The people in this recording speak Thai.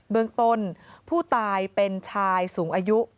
เมืองต้นผู้ตายเป็นชายสูงอายุ